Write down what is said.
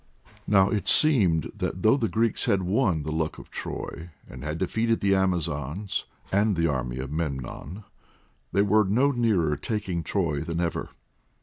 Now it seemed that though the Greeks had won the Luck of Troy and had defeated the Amazons and the army of Memnon, they were no nearer taking Troy than ever.